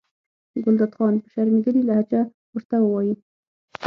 ګلداد خان په شرمېدلې لهجه ورته وایي.